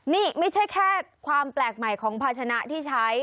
นี่ไม่ใช่แค่ความแปลกใหม่ของภาชนะที่ใช้